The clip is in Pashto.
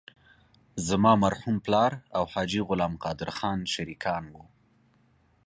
زما مرحوم پلار او حاجي غلام قادر خان شریکان وو.